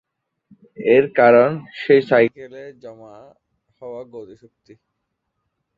এর কারণ সেই সাইকেলে জমা হওয়া গতি শক্তি।